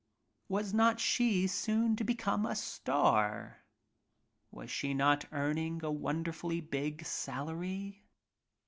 she soon to become a star? Was she not earning a wonderfully big salary